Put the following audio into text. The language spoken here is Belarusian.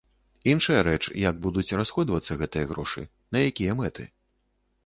Іншая рэч, як будуць расходавацца гэтыя грошы, на якія мэты.